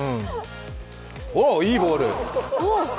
おお、いいボール。